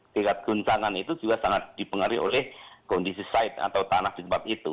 tingkat guncangan itu juga sangat dipengaruhi oleh kondisi site atau tanah di tempat itu